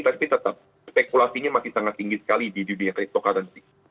tapi tetap spekulasinya masih sangat tinggi sekali di dunia cryptocurrency